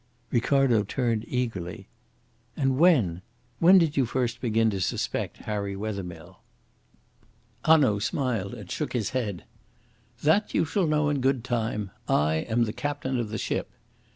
Ricardo turned eagerly. "And when when did you first begin to suspect Harry Wethermill?" Hanaud smiled and shook his head. "That you shall know in good time. I am the captain of the ship."